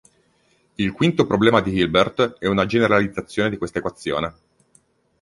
Il quinto problema di Hilbert è una generalizzazione di questa equazione.